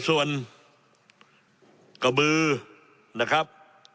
ส่วนกระบือนะครับ